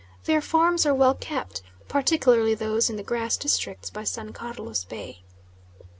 Their farms are well kept, particularly those in the grass districts by San Carlos Bay.